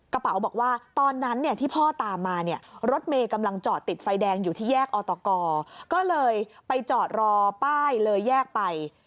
บอกว่าตอนนั้นเนี่ยที่พ่อตามมาเนี่ยรถเมย์กำลังจอดติดไฟแดงอยู่ที่แยกอตกก็เลยไปจอดรอป้ายเลยแยกไป